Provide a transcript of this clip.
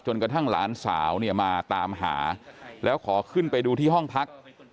กระทั่งหลานสาวเนี่ยมาตามหาแล้วขอขึ้นไปดูที่ห้องพัก